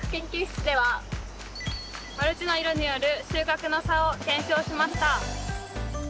マルチの色による収穫の差を検証しました。